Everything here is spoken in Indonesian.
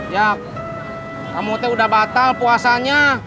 ya kamu tuh udah batal puasanya